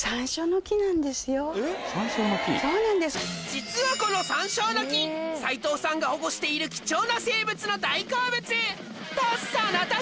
実はこの山椒の木斉藤さんが保護している貴重な生物の大好物とその時！